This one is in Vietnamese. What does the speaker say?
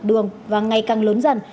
đoạn đường và ngày càng lớn dần